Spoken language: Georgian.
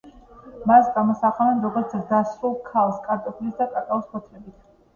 მას გამოსახავენ როგორც ზრდასრულს ქალს, კარტოფილის და კაკაოს ფოთლებით.